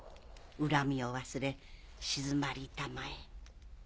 恨みを忘れ鎮まりたまえ。